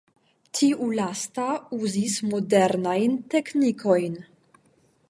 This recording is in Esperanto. Tiu lasta uzis modernajn teknikojn.